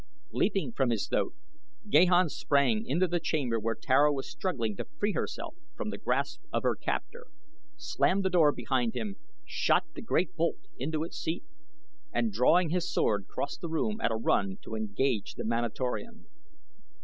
Leaping from his thoat Gahan sprang into the chamber where Tara was struggling to free herself from the grasp of her captor, slammed the door behind him, shot the great bolt into its seat, and drawing his sword crossed the room at a run to engage the Manatorian.